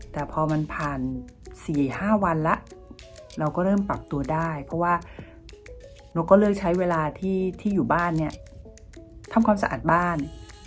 แต่พอมันผ่าน๔๕วันแล้วเราก็เริ่มปรับตัวได้เพราะว่าเราก็เลือกใช้เวลาที่อยู่บ้านเนี่ยทำความสะอาดบ้าน